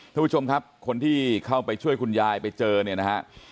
ทุกผู้ชมครับคนที่เข้าไปช่วยคุณยายไปเจอเนี่ยนะฮะ